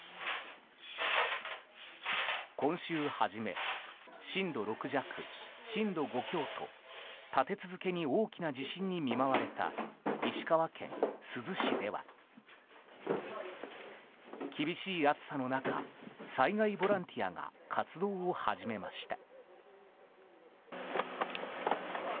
今週初め震度６弱、震度５強と立て続けに大きな地震に見舞われた石川県珠洲市では厳しい暑さの中災害ボランティアが活動を始めました。